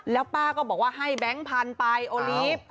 แล้วป้าก็บอกว่าให้แบงค์พันธุ์ไปโอลีฟ